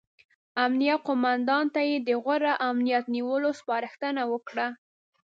امنیه قوماندان ته یې د غوره امنیت نیولو سپارښتنه وکړه.